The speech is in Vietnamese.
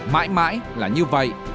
mãi mãi là như vậy